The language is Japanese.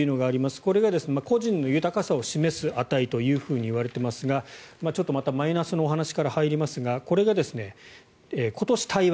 これが個人の豊かさを示す値といわれていますがちょっとまたマイナスのお話から入りますがこれが今年、台湾